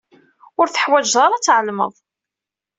Ur teḥwaǧeḍ ara ad tɛelmeḍ.